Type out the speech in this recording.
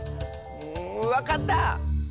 んわかった！